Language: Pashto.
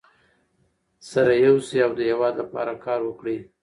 سره یو شئ او د هېواد لپاره کار وکړئ.